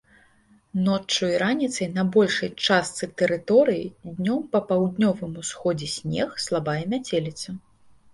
Ноччу і раніцай на большай частцы тэрыторыі, днём па паўднёвым усходзе снег, слабая мяцеліца.